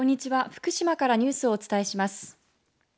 福島からニュースをお伝えします。